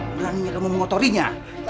beraninya kamu mengotorinya